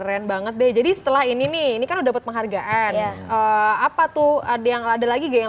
keren banget deh jadi setelah ini nih ini kan udah dapat penghargaan apa tuh ada yang ada lagi gue yang